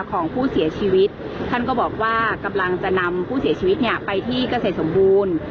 ของผู้เสียชีวิตท่านก็บอกว่ากำลังจะนำผู้เสียชีวิตเนี่ยไปที่เกษตรสมบูรณ์